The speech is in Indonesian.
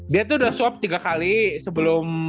dia tuh udah swab tiga kali sebelum